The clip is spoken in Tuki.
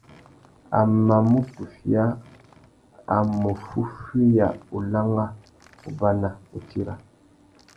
A mà mù tufia, a mù fúffüiya ulangha, ubana, utira.